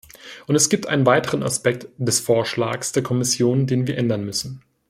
Und es gibt einen weiteren Aspekt des Vorschlags der Kommission, den wir ändern müssen.